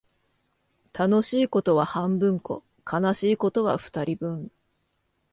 楽しいことは半分こ、悲しいことは二人分